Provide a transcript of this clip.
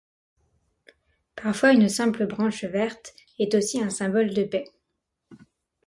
Parfois une simple branche verte est aussi un symbole de paix.